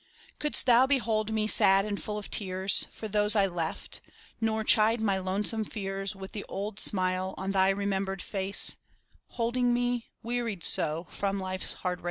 Couldst thou behold me sad and full of tears For those I left, nor chide my lonesome fears With the old smile on thy remembered face, Holding me, wearied so from life's hard race?